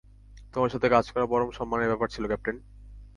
তোমার সাথে কাজ করা পরম সম্মানের ব্যাপার ছিল, ক্যাপ্টেন।